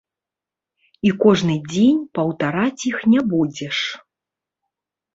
І кожны дзень паўтараць іх не будзеш.